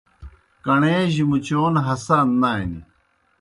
کݨے جیْ مُچون ہسان نانیْ۔